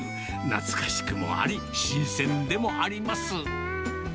懐かしくもあり、新鮮でもあります。